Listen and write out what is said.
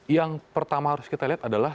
yang pertama harus kita lihat adalah